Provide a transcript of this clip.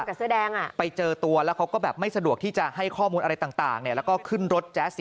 พี่แรงไปเจอตัวแล้วเขาก็แบบไม่สะดวกที่จะให้ข้อมูลอะไรต่างไหนแล้วก็ขึ้นรถแสง